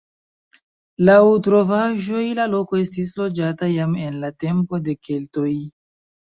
Laŭ trovaĵoj la loko estis loĝata jam en la tempo de keltoj.